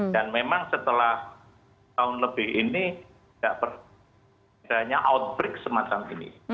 dan memang setelah tahun lebih ini tidak pernah ada outbreak semacam ini